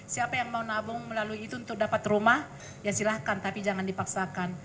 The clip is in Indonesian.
siapa yang mau nabung melalui itu untuk dapat rumah ya silahkan tapi jangan dipaksakan